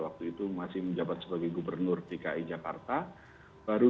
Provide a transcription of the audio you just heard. waktu itu masih menjabat sebagai gubernur dki jakarta baru